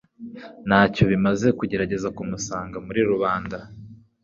Ntacyo bimaze kugerageza kumusanga muri rubanda.